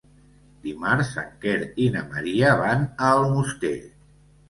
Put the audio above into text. Dimarts en Quer i na Maria van a Almoster.